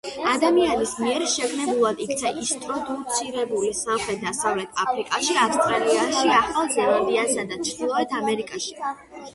ადამიანის მიერ შეგნებულად იქნა ინტროდუცირებული სამხრეთ-დასავლეთ აფრიკაში, ავსტრალიაში, ახალ ზელანდიასა და ჩრდილოეთ ამერიკაში.